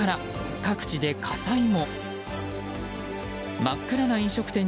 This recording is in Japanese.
各地で火災も。